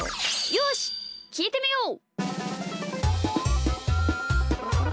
よしきいてみよう！